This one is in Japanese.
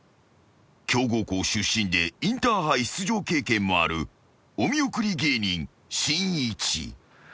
［強豪校出身でインターハイ出場経験もあるお見送り芸人しんいち］